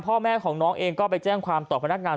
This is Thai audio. พ่อแม่ของน้องเองก็ไปแจ้งความต่อพนักงาน